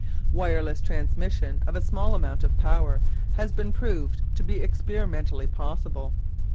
Wireless transmission of a small amount of power has been proved to be experimentally possible.